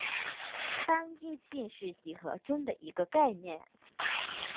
单应性是几何中的一个概念。